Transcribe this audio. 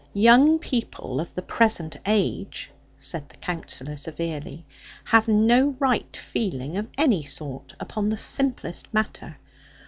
'Young people of the present age,' said the Counsellor severely, 'have no right feeling of any sort, upon the simplest matter.